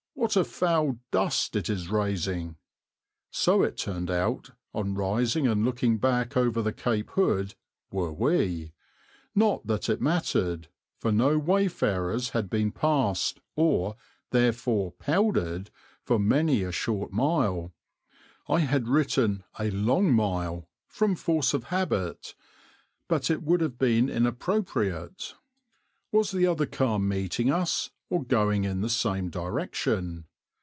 What a foul dust it is raising!" So it turned out, on rising and looking back over the cape hood, were we; not that it mattered, for no wayfarers had been passed or, therefore, powdered, for many a short mile I had written "a long mile" from force of habit, but it would have been inappropriate. Was the other car meeting us or going in the same direction?